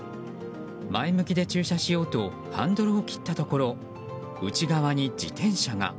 前向きで駐車しようとハンドルを切ったところ内側に自転車が。